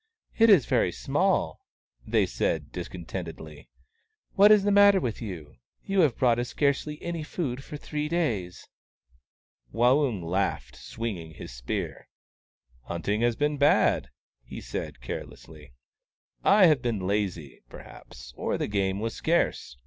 " It is very small," they said, discontentedly. " What is the matter with you ? You have brought us scarcely any food for three days." Waung laughed, swinging his spear. " Hunting has been bad," he said, carelessly. " I have been lazy, perhaps — or the game was scarce.